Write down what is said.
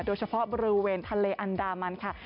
โดยเฉพาะบริเวณทะเลอันดามันค่ะ